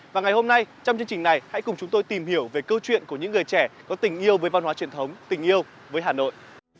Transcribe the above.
và ngày hôm nay trong chương trình này hãy cùng chúng tôi tìm hiểu về câu chuyện của những người trẻ có tình yêu với văn hóa truyền thống tình yêu với hà nội